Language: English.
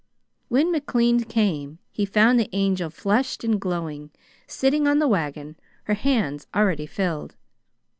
When McLean came, he found the Angel flushed and glowing, sitting on the wagon, her hands already filled.